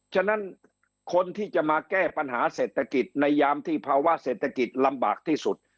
ฉะนั้นคนที่จะมาแก้ปัญหาเศรษฐกิจในยามที่ภาวะเศรษฐกิจลำบากที่สุด